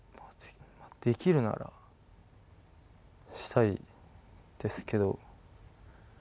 できるならしたいですけど。